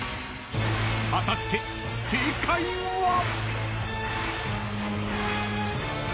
［果たして正解は？］